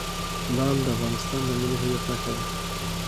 لعل د افغانستان د ملي هویت نښه ده.